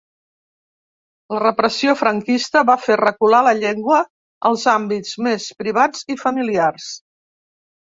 La repressió franquista va fer recular la llengua als àmbits més privats i familiars.